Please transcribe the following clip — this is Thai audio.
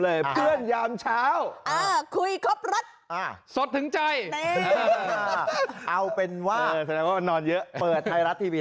เลยเตือนยามเช้าคุยครบรัดสดถึงใจเอาเป็นว่านอนเยอะเปิดไทยรัฐทีวี